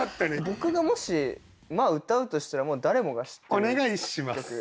僕がもし歌うとしたら誰もが知ってる曲。